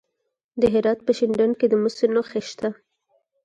د هرات په شینډنډ کې د مسو نښې شته.